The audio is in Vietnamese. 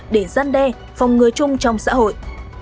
để giăn đe phòng người chung trong xã hội